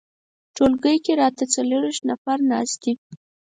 ټولګي کې راته څلویښت نفر ناست دي.